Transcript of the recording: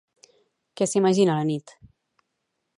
Què s'imagina a la nit?